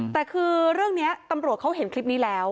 แต่คือเรื่องนี้ตำรวจเขาเห็นคลิปนี้แล้ว